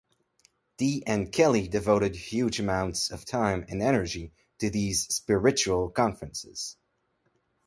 Dee and Kelley devoted huge amounts of time and energy to these "spiritual conferences".